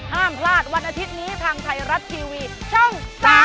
ห้ามพลาดวันอาทิตย์นี้ทางไทยรัฐทีวีช่อง๓๒